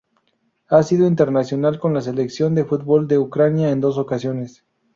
Ha sido internacional con la selección de fútbol de Ucrania en dos ocasiones.